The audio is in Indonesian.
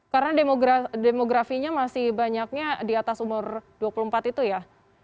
karena demografinya masih banyaknya di atas umur dua puluh empat itu ya